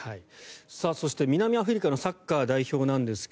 そして南アフリカのサッカー代表なんですが